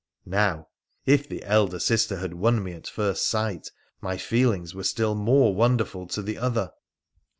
Now, if the elder sister had won me at first sight, my feel ings were still more wonderful to the other.